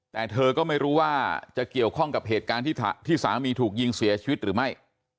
แต่เธอก็ไม่รู้ว่าจะเกี่ยวข้องกับเหตุการณ์ที่สามีถูกยิงเสียชีวิตหรือไม่